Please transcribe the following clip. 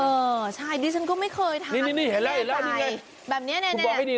เออใช่ดิฉันก็ไม่เคยทานนี่นี่นี่เห็นแล้วเห็นแล้วนี่ไงแบบเนี้ยนี่นี่นี่นี่นี่